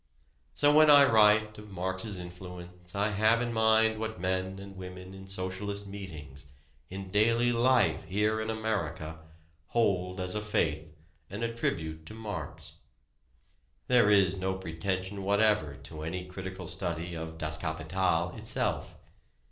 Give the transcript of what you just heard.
So when I write of Marx's influence I have in mind what men and women in socialist meetings, in daily life here in America, hold as a faith and attribute to Marx. There is no pretension whatever to any critical study of "Das Kapital" itself.